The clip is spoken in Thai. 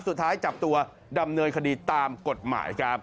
สุดท้ายจับตัวดำเนินคดีตามกฎหมายครับ